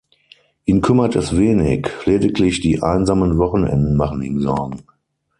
Ihn kümmert es wenig, lediglich die einsamen Wochenenden machen ihm Sorgen.